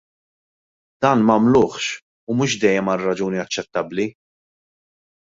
Dan m'għamluhx, u mhux dejjem għal raġuni aċċettabbli.